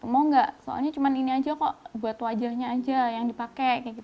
mau nggak soalnya cuma ini aja kok buat wajahnya aja yang dipakai